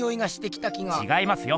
ちがいますよ。